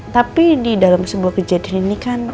tapi di dalam sebuah kejadian ini kan